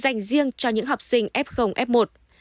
dành riêng cho những học sinh f f một